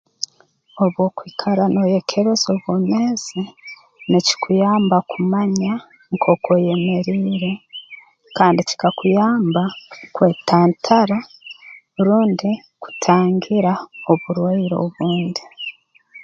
Obu okwikara nooyekebeza obwomeezi nikikuyamba kumanya nkooku oyemeriire kandi kikakuyamba kwetantara rundi kutangira oburwaire obundi